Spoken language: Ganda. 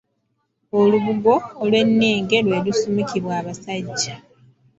Olubugo olw'ennenge lwe lusumikibwa abasajja